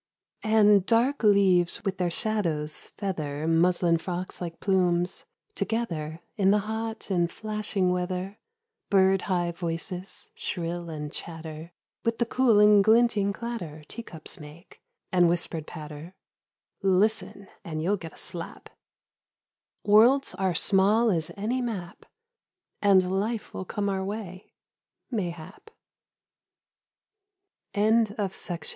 93 Apricot Jam. And dark leaves with their shadows feather Muslin frocks like plumes. Together In the hot and flashing weather, Bird high voices shrill and chatter with the cool and glinting clatter Tea cups make, and whispered patter (Listen, and you '11 get a slap) : Worlds are small as any map — And life will come our way — ma